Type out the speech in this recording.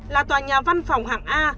là tòa nhà văn phòng hạng a